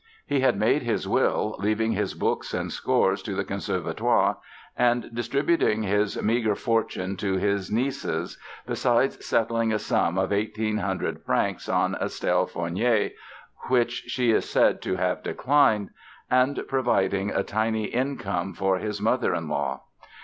He had made his will, leaving his books and scores to the Conservatoire and distributing his meager "fortune" to his nieces, besides settling a sum of 1800 francs on Estelle Fornier (which she is said to have declined) and providing a tiny income for his mother in law.